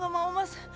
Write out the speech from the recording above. gak mau mas